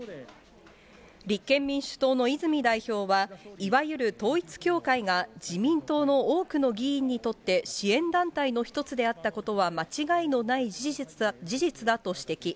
立憲民主党の泉代表は、いわゆる統一教会が、自民党の多くの議員にとって支援団体の１つであったことは間違いのない事実だと指摘。